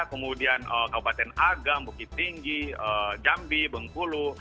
kemudian kabupaten agam bukit tinggi jambi bengkulu